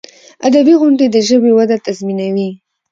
ادبي غونډي د ژبي وده تضمینوي.